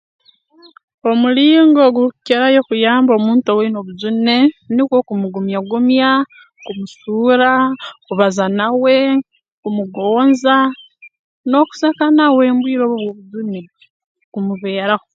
Omulingo ogurukukiyo kuyamba omuntu owaine obujune nukwo kumugumya gumya kumusuura kubaza nawe kumugonza n'okuseka nawe mu bwire obu obw'obujune kumubeeraho